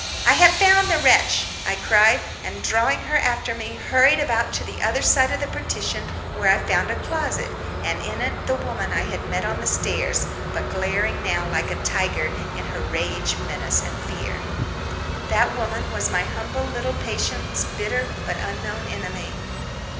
"I have found the wretch," I cried, and drawing her after me, hurried about to the other side of the partition, where I found a closet, and in it the woman I had met on the stairs, but glaring now like a tiger in her rage, menace, and fear. That woman was my humble little patient's bitter but unknown enemy.